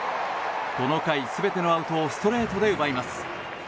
この回、全てのアウトをストレートで奪います。